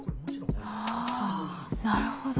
あぁなるほど。